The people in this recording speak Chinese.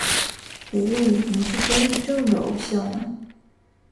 雷雷！你是真正的偶像啊！